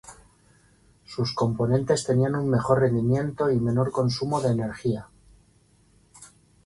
Sus componentes tenían un mejor rendimiento y menor consumo de energía.